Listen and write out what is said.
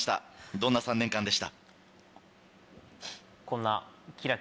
どんな３年間でした？